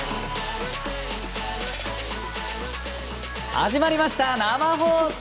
始まりました、生放送！